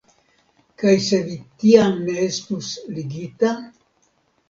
Kaj se vi tiam ne estus ligita?